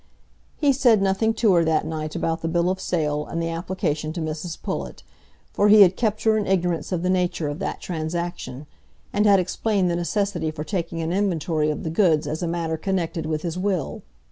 He said nothing to her that night about the bill of sale and the application to Mrs Pullet, for he had kept her in ignorance of the nature of that transaction, and had explained the necessity for taking an inventory of the goods as a matter connected with his will.